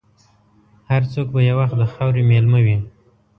هر څوک به یو وخت د خاورې مېلمه وي.